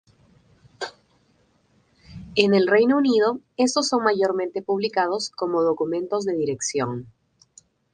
En el Reino Unido, estos son mayormente publicados como "documentos de dirección".